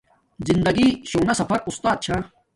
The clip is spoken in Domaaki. زندگی شونا سفر اُستات چھا